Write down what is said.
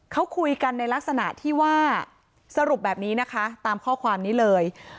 เขาคุยกันในลักษณะที่ว่าสรุปแบบนี้นะคะตามข้อความนี้เลย